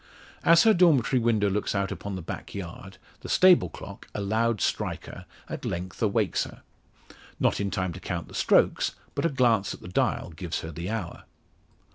As her dormitory window looks out upon the back yard, the stable clock, a loud striker, at length awakes her. Not in time to count the strokes, but a glance at the dial gives her the hour.